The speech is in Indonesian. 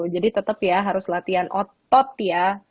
jadi tetap ya harus latihan otot ya